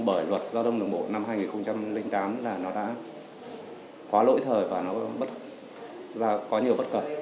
bởi luật giao thông đường bộ năm hai nghìn tám là nó đã quá lỗi thời và nó có nhiều bất cập